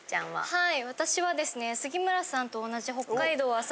はい